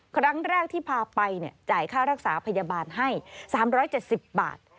ครั้งแรกที่พาไปจ่ายค่ารักษาพยาบาลให้๓๗๐บาท